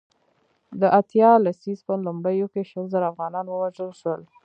د اتیا لسیزې په لومړیو کې شل زره انسانان ووژل شول.